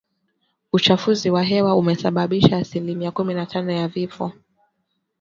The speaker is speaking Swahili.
Uchafuzi wa hewa umesababisha asilimia kumi na tano ya vifo.